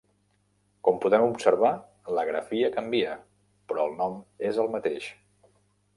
Com podem observar la grafia canvia, però el nom és el mateix.